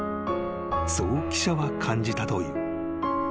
［そう記者は感じたという］